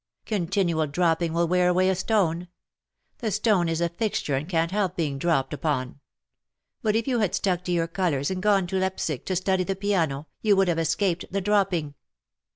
Continual dropping will wear away a stone; the stone is a fixture and can^t help being dropped upon ; but if you had stuck to your colours and gone to Leipsic to study the piano, you would have escaped the dropping."